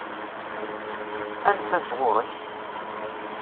Anef-as ɣuṛ-k!